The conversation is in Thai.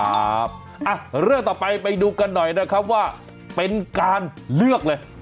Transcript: ครับอ่ะเรื่องต่อไปไปดูกันหน่อยนะครับว่าเป็นการเลือกเลย